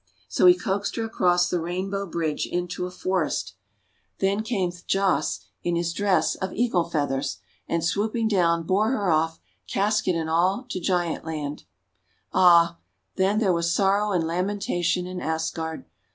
So he coaxed her across the Rainbow Bridge into a forest. Then came Thjasse, in his dress of eagle feathers, and, swooping down, bore her off, casket and all, to Giantland. Ah, then there was sorrow and lamentation in Asgard!